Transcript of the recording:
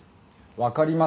分かりますか？